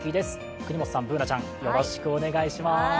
國本さん、Ｂｏｏｎａちゃん、よろしくお願いします。